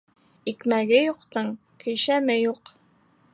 Икмәге юҡтың көйшәме юҡ.